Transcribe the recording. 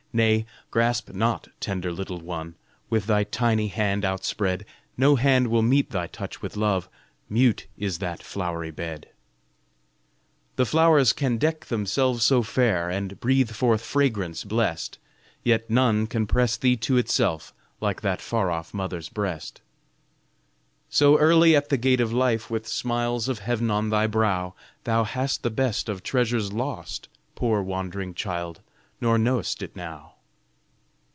Nay, grasp not tender little one, With thy tiny hand outspread; No hand will meet thy touch with love, Mute is that flowery bed. The flowers can deck themselves so fair And breathe forth fragrance blest, Yet none can press thee to itself, Like that far off mother's breast. So early at the gate of life, With smiles of heav'n on thy brow, Thou hast the best of treasures lost, Poor wand'ring child, nor know'st it now.